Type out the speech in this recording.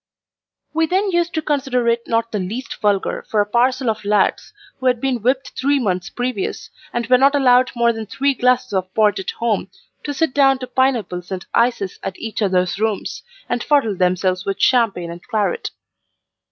We then used to consider it not the least vulgar for a parcel of lads who had been whipped three months previous, and were not allowed more than three glasses of port at home, to sit down to pineapples and ices at each other's rooms, and fuddle themselves with champagne and claret.